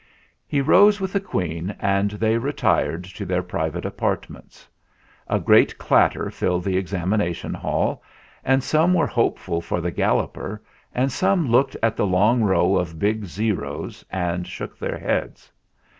He rose with the Queen, and they retired to their private apartments. A great clatter filled the Examination Hall, and some were hopeful for the Galloper, and some looked at the long row of big O's and shook their heads.